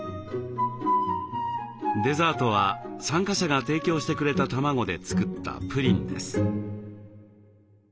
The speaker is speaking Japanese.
デザートは参加者が提供してくれた卵で作ったプリンです。